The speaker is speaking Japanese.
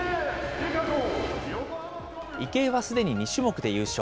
池江はすでに２種目で優勝。